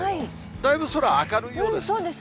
だいぶ空、明るいようです。